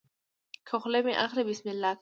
که خوله مې اخلې بسم الله که